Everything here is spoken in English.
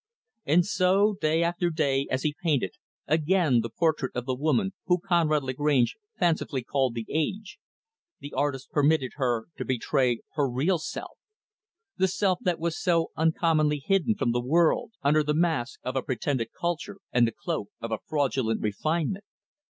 And so, day after day, as he painted, again, the portrait of the woman who Conrad Lagrange fancifully called "The Age," the artist permitted her to betray her real self the self that was so commonly hidden from the world, under the mask of a pretended culture, and the cloak of a fraudulent refinement.